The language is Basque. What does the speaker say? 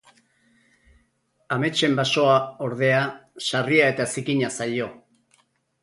Ametsen basoa, ordea, sarria eta zikina zaio.